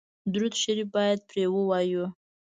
درود شریف باید پرې ووایو.